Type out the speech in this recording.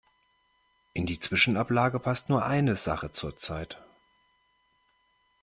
In die Zwischenablage passt nur eine Sache zur Zeit.